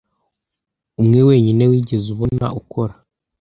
umwe wenyine wigeze ubona ukora